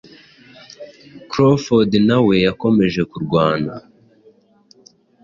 Crawford nawe yakomeje kurwana